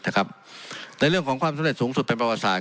ในเรื่องของความสำเร็จสูงสุดเป็นประวัติศาสต